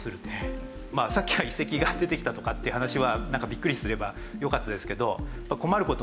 まあさっきの遺跡が出てきたとかっていう話はビックリすればよかったですけど。